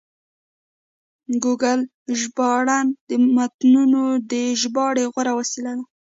ګوګل ژباړن د متنونو د ژباړې غوره وسیله ده.